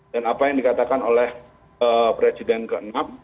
dan apa yang dikatakan oleh presiden ke enam